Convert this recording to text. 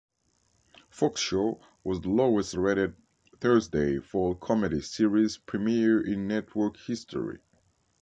Fox Show was the lowest-rated Thursday fall comedy series premiere in network history.